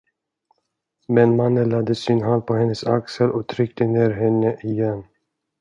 Men mannen lade sin hand på hennes axel och tryckte ner henne igen.